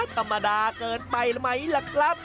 ธรรมดาเกินไปไหมล่ะครับ